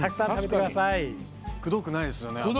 くどくないですよね。